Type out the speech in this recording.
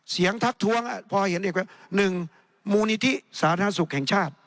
เสียงทักทวงพอเห็นเด็กหนึ่งมูลนิธิสาธารณสุขแข่งชาติ